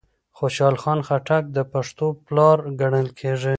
خوشحال خان خټک د پښتو پلار ګڼل کېږي